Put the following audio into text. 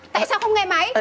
tại sao không nghe máy